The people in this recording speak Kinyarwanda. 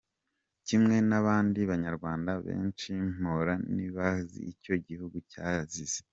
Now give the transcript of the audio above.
Kimwe n’abandi banyarwanda benshi mpora nibaza icyo igihugu cyazize.